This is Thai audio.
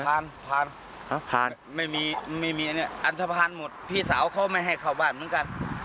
ผ่านไม่มีอันทภัณฑ์หมดพี่สาวเขาไม่ให้เข้าบ้านเหมือนกัน